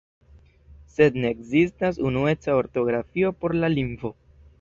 Sed ne ekzistas unueca ortografio por la lingvo.